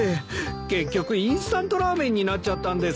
結局インスタントラーメンになっちゃったんです。